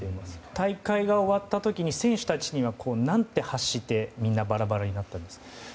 大会が終わった時に選手たちにはなんて発してバラバラになったんですか？